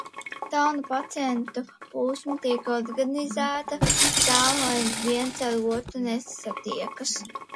Tā nu pacientu plūsma tiek organizēta tā, lai viens ar otru nesatiekas.